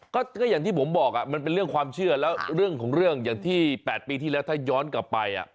ก็อย่างที่ผมบอกมันเป็นเรื่องความเชื่อแล้วเรื่องของเรื่องอย่างที่๘ปีที่แล้วถ้าย้อนกลับไป